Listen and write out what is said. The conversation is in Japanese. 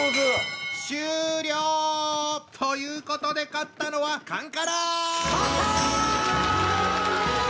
終了！ということで勝ったのはカンカラ！